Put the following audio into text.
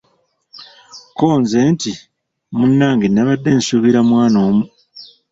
Kko nze nti munnange nabadde nsuubira mwana omu.